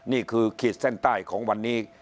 นี่คือขีดแท่นใต้ของวันนี้